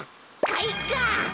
かいか！